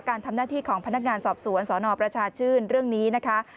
การทำหน้าที่ของพนักงานสอบสวนสนประชาชื่นเรื่องนี้นะคะ